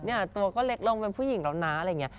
ตัวก็เล็กลงเป็นผู้หญิงแล้วนะอะไรอย่างนี้